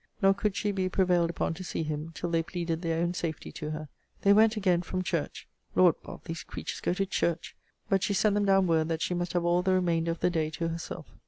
Nor could she be prevailed upon to see him, till they pleaded their own safety to her. They went again, from church, [Lord, Bob., these creatures go to church!] but she sent them down word that she must have all the remainder of the day to herself.